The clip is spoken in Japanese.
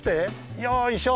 よいしょ。